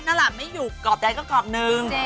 นั่นแหละไม่อยู่กรอบใดก็กรอบนึง